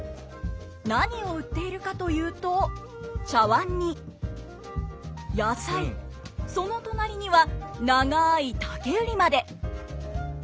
何を売っているかというとその隣には長い竹売りまで！